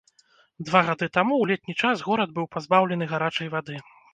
Два гады таму ў летні час горад быў пазбаўлены гарачай вады.